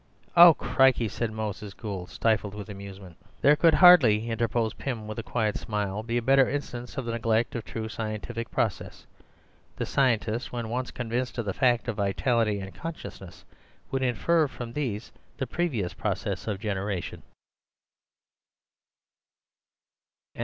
"Oh, crikey!" said Moses Gould, stifled with amusement. "There could hardly," interposed Pym with a quiet smile, "be a better instance of the neglect of true scientific process. The scientist, when once convinced of the fact of vitality and consciousness, would infer from these the previous process of generation."